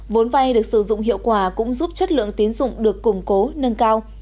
vốn vay được sử dụng hiệu quả cũng giúp chất lượng tiến dụng được củng cố nâng cao